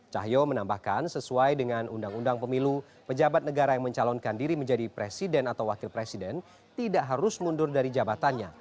cahyo menambahkan sesuai dengan undang undang pemilu pejabat negara yang mencalonkan diri menjadi presiden atau wakil presiden tidak harus mundur dari jabatannya